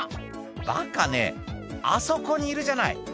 「バカねあそこにいるじゃない」